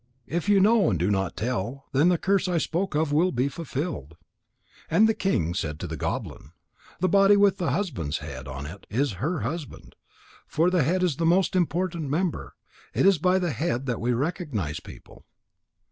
If you know and do not tell, then the curse I spoke of will be fulfilled." And the king said to the goblin: "The body with the husband's head on it is her husband. For the head is the most important member. It is by the head that we recognize people."